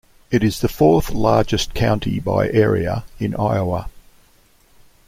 It is the fourth-largest county by area in Iowa.